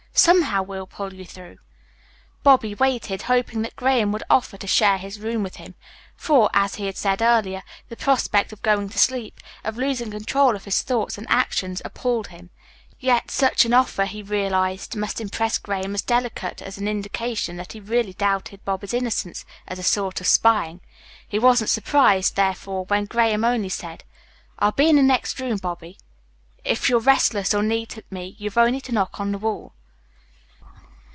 Somehow we'll pull you through." Bobby waited, hoping that Graham would offer to share his room with him. For, as he had said earlier, the prospect of going to sleep, of losing control of his thoughts and actions, appalled him. Yet such an offer, he realized, must impress Graham as delicate, as an indication that he really doubted Bobby's innocence, as a sort of spying. He wasn't surprised, therefore, when Graham only said: "I'll be in the next room, Bobby. If you're restless or need me you've only to knock on the wall."